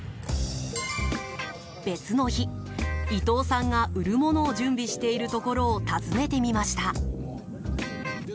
別の日、伊藤さんが売るものを準備しているところを訪ねてみました。